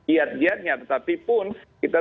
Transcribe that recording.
iat iatnya tetapipun kita